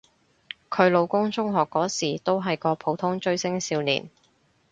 佢老公中學嗰時都係個普通追星少年